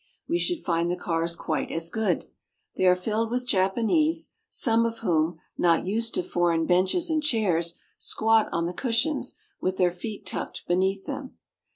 We should find the cars quite as good. They are filled with Japanese, some of whom, not used to foreign benches and chairs, squat on the cushions, with their feet tucked beneath them.